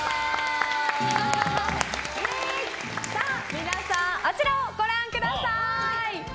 皆さん、あちらをご覧ください。